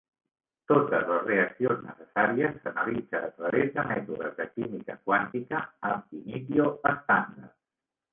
Totes les reaccions necessàries s'analitzen a través de mètodes de química quàntica "ab initio" estàndards.